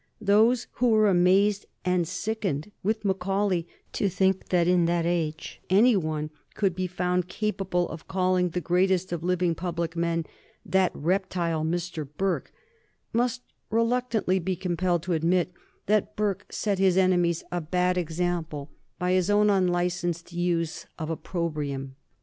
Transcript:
Those who were amazed and sickened, with Macaulay, to think that in that age any one could be found capable of calling the greatest of living public men, "that reptile Mr. Burke," must reluctantly be compelled to admit that Burke set his enemies a bad example by his own unlicensed use of opprobrium.